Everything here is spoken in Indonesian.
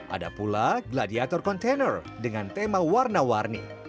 ada pula gladiator kontainer dengan tema warna warni